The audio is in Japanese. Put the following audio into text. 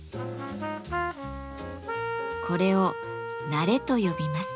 これを「なれ」と呼びます。